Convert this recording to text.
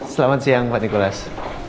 selamat siang pak nikulas